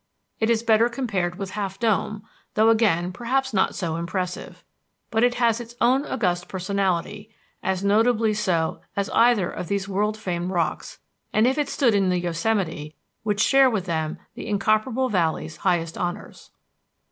It is better compared with Half Dome, though again perhaps not so impressive. But it has its own august personality, as notably so as either of these world famed rocks; and, if it stood in the Yosemite, would share with them the incomparable valley's highest honors.